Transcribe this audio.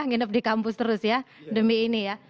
nginep di kampus terus ya demi ini ya